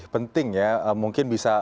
penting ya mungkin bisa